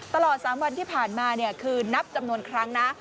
ตลอด๓วันที่ผ่านมาคือนับจำนวนครั้งนะ